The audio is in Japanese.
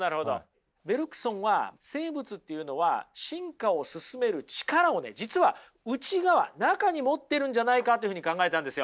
ベルクソンは生物というのは進化を進める力を実は内側中に持ってるんじゃないかというふうに考えたんですよ。